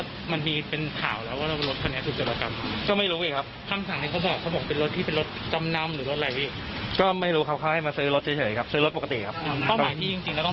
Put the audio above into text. ต้องหมายที่จริงแล้วต้องไปไหนแล้วยังไง